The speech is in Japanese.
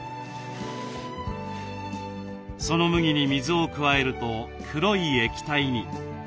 その麦に水を加えると黒い液体に。